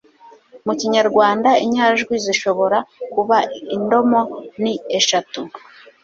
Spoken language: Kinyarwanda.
Mu Kinyarwanda, inyajwi zishobora kuba indomo ni eshatu